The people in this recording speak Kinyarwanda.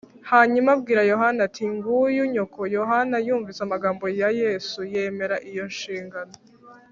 ” hanyuma abwira yohana ati, “nguyu nyoko” yohana yumvise amagambo ya yesu, yemera iyo nshingano